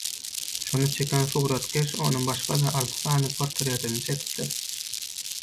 şony çeken suratkeş onuň başga-da alty sany portretini çekipdir.